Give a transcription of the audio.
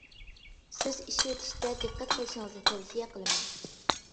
سۆز ئىشلىتىشتە دىققەت قىلىشىڭىزنى تەۋسىيە قىلىمەن.